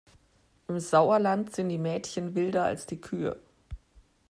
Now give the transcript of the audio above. Im Sauerland sind die Mädchen wilder als die Kühe.